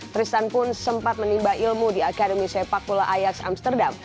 tristan pun sempat menimba ilmu di akademi sepak bola ayaks amsterdam